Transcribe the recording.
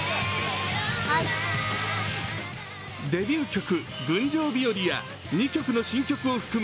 デビュー曲「群青日和」や２曲の新曲を含む